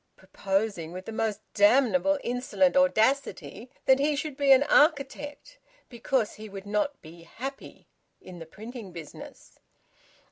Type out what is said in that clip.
proposing with the most damnable insolent audacity that he should be an architect, because he would not be `happy' in the printing business!